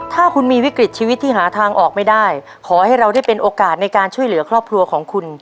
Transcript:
ถ้าคุณมีวิกฤตชีวิตที่หาทางออกไม่ได้ขอให้เราได้เป็นโอกาสในการช่วยเหลือครอบครัวของคุณ